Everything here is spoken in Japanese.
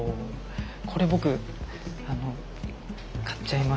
これ僕買っちゃいました。